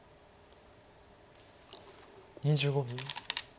２５秒。